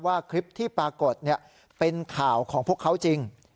ว่าคลิปที่ปรากฏเป็นข่าวของพวกเขาจริง